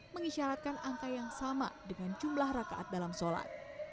mengisyaratkan angka yang sama dengan jumlah rakaat dalam sholat